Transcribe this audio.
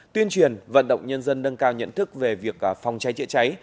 tuyên truyền vận động nhân dân nâng cao nhận thức về việc phòng cháy chữa cháy